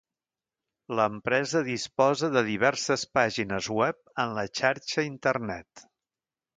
L'empresa disposa de diverses pàgines web en la xarxa internet.